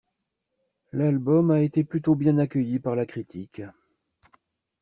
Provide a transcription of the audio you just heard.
L'album a été plutôt bien accueilli par la critique.